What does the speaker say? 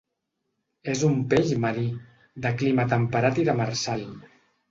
És un peix marí, de clima temperat i demersal.